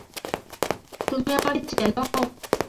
তুমি আমাকে চেন?